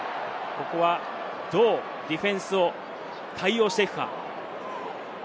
ここはどうディフェンスを対応していくか。